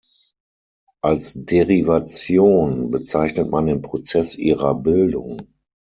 Als Derivation bezeichnet man den Prozess ihrer Bildung.